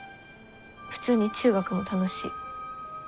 普通に中学も楽しい。